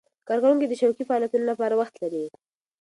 کارکوونکي د شوقي فعالیتونو لپاره وخت لري.